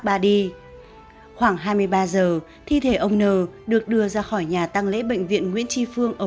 ba đi khoảng hai mươi ba giờ thi thể ông n được đưa ra khỏi nhà tăng lễ bệnh viện nguyễn tri phương ở